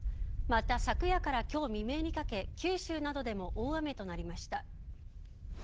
また、昨夜から今日未明にかけ九州などでも大雨となりました。